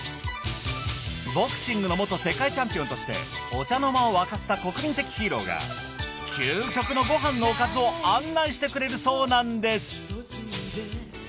ボクシングの元世界チャンピオンとしてお茶の間をわかせた国民的ヒーローが究極のご飯のおかずを案内してくれるそうなんです。